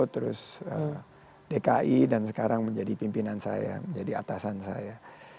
terus dki dan sekarang menjadi pimpinan saya menjadi atasan saya